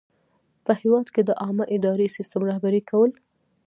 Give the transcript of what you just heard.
په هیواد کې د عامه اداري سیسټم رهبري کول.